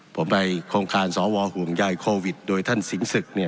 ผมไปโครงการสวห่วงใยโควิดโดยท่านสิงศึก